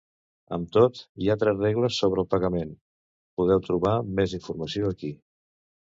Amb tot, hi ha altres regles sobre el pagament; podeu trobar més informació aquí.